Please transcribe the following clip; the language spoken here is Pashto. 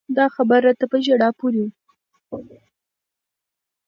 دا خبر راته په زړه پورې و.